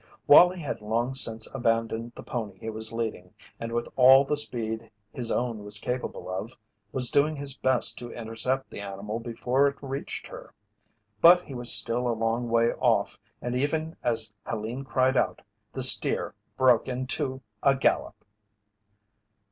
Wallie had long since abandoned the pony he was leading, and with all the speed his own was capable of, was doing his best to intercept the animal before it reached her. But he was still a long way off and even as Helene cried out the steer broke into a gallop.